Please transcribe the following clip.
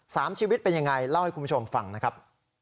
สามชีวิตเป็นยังไงเล่าให้คุณผู้ชมฟังนะครับ